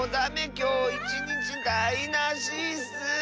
きょういちにちだいなしッス！